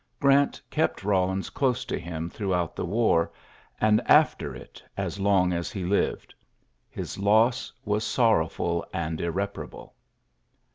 Grant kept Bawlins close to him throughout the war, and after it as long as he lived. His loss was sorrowful and irreparable.